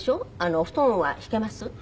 お布団は敷けます？